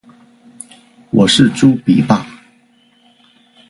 我是猪鼻吧